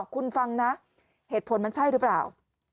คุณฟังนะเหตุผลมันใช่หรือเปล่า